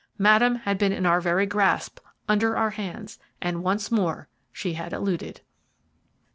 Madame had been in our very grasp, under our hands, and once more she had eluded.